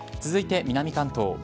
続いて南関東。